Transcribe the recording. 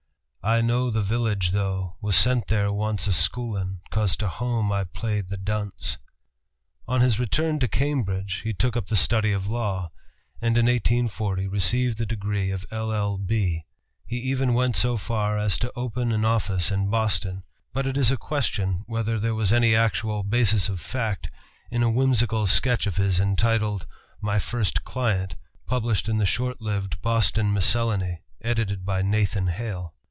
"I know the village though, was sent there once A schoolin', 'cause to home I played the dunce!" On his return to Cambridge he took up the study of law, and, in 1840, received the degree of LL.B. He even went so far as to open an office in Boston; but it is a question whether there was any actual basis of fact in a whimsical sketch of his entitled "My First Client," published in the short lived Boston Miscellany, edited by Nathan Hale.